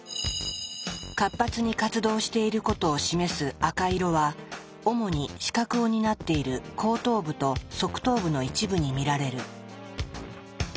活発に活動していることを示す赤色は主に視覚を担っている後頭部と側頭部の一部に見られる。